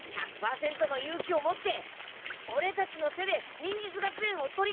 １００％の勇気を持ってオレたちの手で忍術学園を取り返そう！